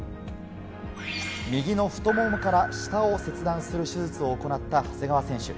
右の太ももから下を切断する手術を行った長谷川選手。